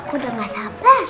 aku udah gak sabar